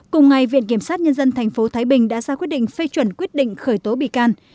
cùng ngày viện kiểm sát nhân dân tp thái bình đã ra quyết định phê chuẩn quyết định khởi tố bị can